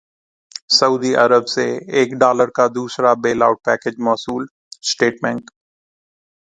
سعودی Arab سے ایک ارب ڈالر کا دوسرا بیل اٹ پیکج موصول اسٹیٹ بینک